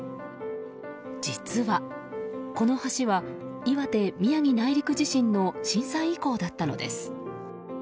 実は、この橋は岩手・宮城内陸地震の震災遺構だったのです。